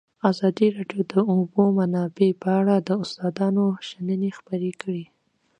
ازادي راډیو د د اوبو منابع په اړه د استادانو شننې خپرې کړي.